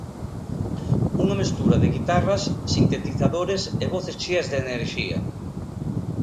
Unha mestura de guitarras, sintetizadores e voces cheas de enerxía.